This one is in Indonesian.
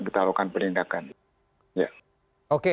kita lakukan penindakan